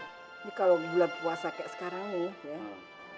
tapi kalau bulan puasa kayak sekarang nih ya